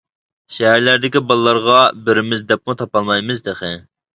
شەھەرلەردىكى بالىلارغا بېرىمىز دەپمۇ تاپالمايمىز تېخى.